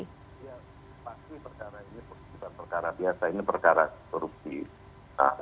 ya ini perkara biasa ini perkara rupiah